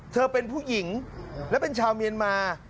เธอเป็นผู้หญิงและเป็นชาวเมียนมา